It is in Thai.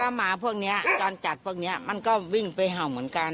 ค่ะแล้วก็หมาพวกนี้จอนจัดพวกนี้มันก็วิ่งไปเห่าเหมือนกัน